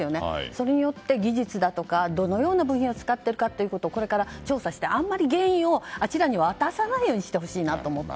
それによって、技術だとかどのような部品を使っているかをこれから調査してあまり原因をあちらに渡さないようにしてほしいなと思って。